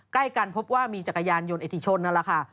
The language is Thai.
ใกล้กันพบว่ามีจักรยานยนต์อิติชนนั่นแหละค่ะ